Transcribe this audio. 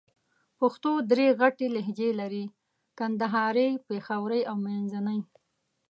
پښتو درې غټ لهجې لرې: کندهارۍ، پېښورۍ او منځني.